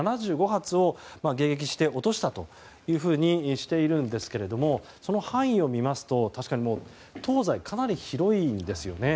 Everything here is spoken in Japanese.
７５発を迎撃して、落としたとしているんですけれどもその範囲を見ますと東西かなり広いんですね。